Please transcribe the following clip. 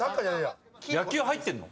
野球入ってんの？